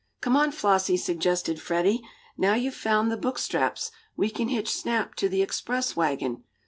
"Come on, Flossie," suggested Freddie. "Now you've found the book straps, we can hitch Snap to the express wagon.